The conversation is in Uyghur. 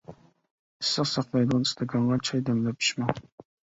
ئىسسىق ساقلايدىغان ئىستاكانغا چاي دەملەپ ئىچمەڭ.